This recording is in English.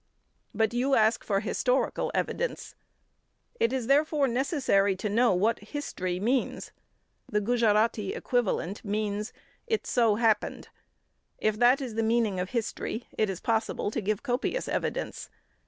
But you ask for historical evidence. It is, therefore, necessary to know what history means. The Gujarati equivalent means: "It so happened." If that is the meaning of history, it is possible to give copious evidence.